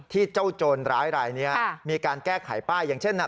ที่เจ้าโจรร้ายรายนี้มีการแก้ไขป้ายอย่างเช่นนะ